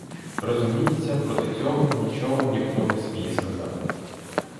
Розуміється, проти цього нічого ніхто не сміє сказати.